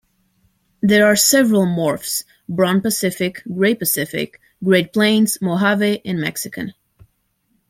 There are several morphs: brown Pacific, grey Pacific, Great Plains, Mojave, and Mexican.